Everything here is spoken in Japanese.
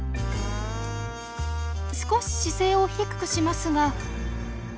少し姿勢を低くしますが。